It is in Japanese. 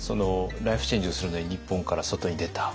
ライフチェンジをするのに日本から外に出た。